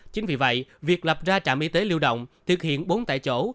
chính vì vậy việc lập ra trạm y tế lưu động thực hiện bốn tại chỗ